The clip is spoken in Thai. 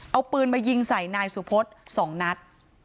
เอาปืนมายิงใส่นายสุพศ๒นัด